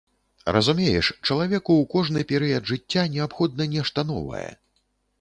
Разумееш, чалавеку ў кожны перыяд жыцця неабходна нешта новае.